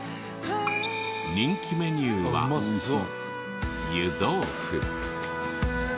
人気メニューは湯豆腐。